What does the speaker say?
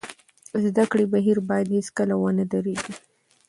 د زده کړې بهیر باید هېڅکله ونه درېږي.